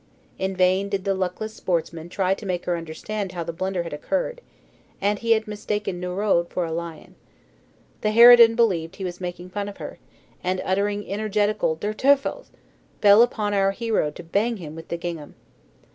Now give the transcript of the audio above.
In vain did the luckless sportsman try to make her understand how the blunder had occurred, and he had mistaken "Noiraud" for a lion. The harridan believed he was making fun of her, and uttering energetical "Der Teufels!" fell upon our hero to bang him with the gingham.